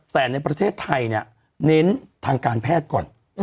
แต่ในประเทศไทยเนี่ยเน้นทางการแพทย์ก่อน